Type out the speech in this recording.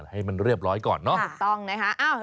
เหรือไม่ต้องนะ